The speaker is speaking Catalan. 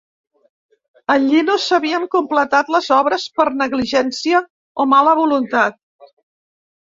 Allí no s'havien completat les obres, per negligència o mala voluntat.